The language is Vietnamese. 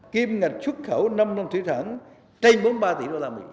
kiêm ngạc xuất khẩu năm năm thủy sản trên bốn mươi ba tỷ usd